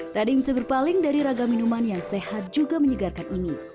tadi bisa berpaling dari raga minuman yang sehat juga menyegarkan ini